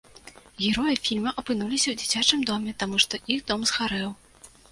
Героі фільма апынуліся ў дзіцячым доме таму, што іх дом згарэў.